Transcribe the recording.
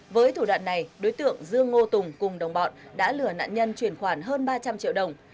với thủ đoạn này đối tượng dương ngô tùng cùng đồng bọn đã lừa nạn nhân chuyển khoản hơn ba trăm linh triệu đồng